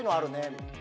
みたいな。